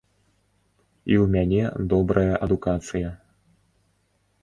І ў мяне добрая адукацыя.